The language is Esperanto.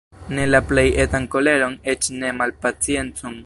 Ne la plej etan koleron, eĉ ne malpaciencon.